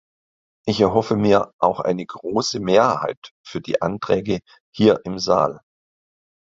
Ich erhoffe mir auch eine große Mehrheit für die Anträge hier im Saal.